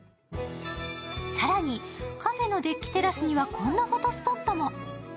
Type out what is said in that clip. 更にカフェのデッキテラスにはこんなフォトスポットも。